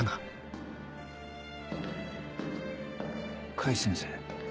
甲斐先生